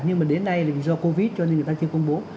nhưng mà đến nay thì do covid cho nên người ta chưa công bố